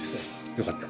よかった。